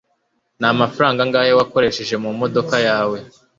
ni amafaranga angahe wakoresheje mu modoka yawe